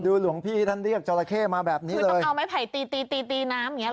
หลวงพี่ท่านเรียกจราเข้มาแบบนี้คือต้องเอาไม้ไผ่ตีตีตีน้ำอย่างเงี้